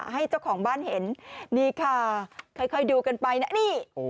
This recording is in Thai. ให้เจ้าของบ้านเห็นนี่ค่ะค่อยดูกันไปนะนี่